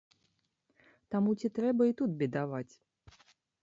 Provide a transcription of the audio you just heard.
Таму ці трэба і тут бедаваць?